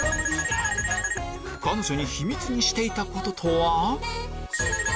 彼女に秘密にしていたこととは？